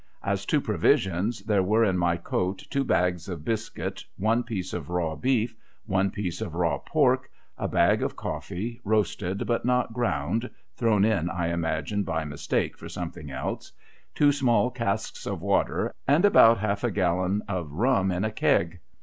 As to provisions, there were in my boat two bags of biscuit, one piece of raw beef, one piece of raw pork, a bag of coftee, roasted but not ground (thrown in, I imagine, by mistake, for something else), two small casks of water, and about half a gallon of rum in a keg.